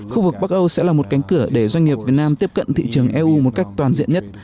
khu vực bắc âu sẽ là một cánh cửa để doanh nghiệp việt nam tiếp cận thị trường eu một cách toàn diện nhất